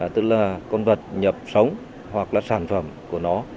tức là con vật nhập sống hoặc là sản phẩm của nó